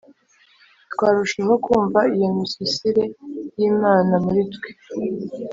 twarushaho kumva iyo misusire y’imana muri twe.